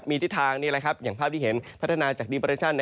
มีทิศทางอย่างภาพที่เห็นพัฒนาจากดีเปรชั่น